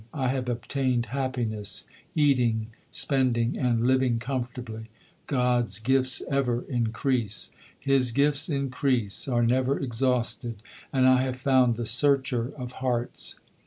I have obtained happiness eating, spending, and living comfortably ; God s gifts ever increase : His gifts increase, are never exhausted, and I have found the Searcher of hearts.